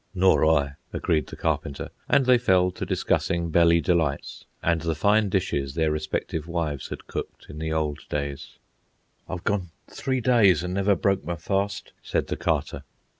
"Nor I," agreed the Carpenter, and they fell to discussing belly delights and the fine dishes their respective wives had cooked in the old days. "I've gone three days and never broke my fast," said the Carter.